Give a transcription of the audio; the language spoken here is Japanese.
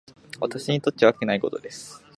私にとっちゃわけないことです。